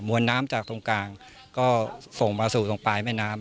วนน้ำจากตรงกลางก็ส่งมาสู่ตรงปลายแม่น้ำ